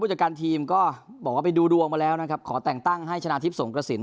จากการทีมก็บอกว่าไปดูดวงมาแล้วนะครับขอแต่งตั้งให้ชนะทิพย์สงกระสิน